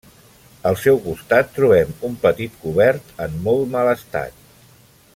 Al seu costat trobem un petit cobert en molt mal estat.